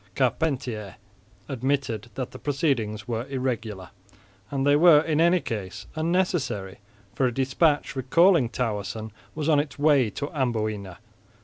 Carpentier admitted that the proceedings were irregular, and they were in any case unnecessary, for a despatch recalling Towerson was on its way to Amboina.